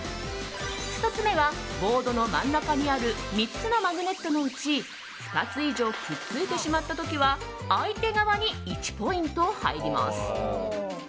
２つ目は、ボードの真ん中にある３つのマグネットのうち２つ以上くっついてしまった時は相手側に１ポイント入ります。